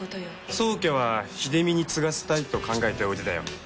宗家は秀美に継がせたいと考えておいでだよ。